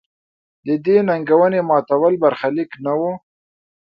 د دې ننګونې ماتول برخلیک نه و.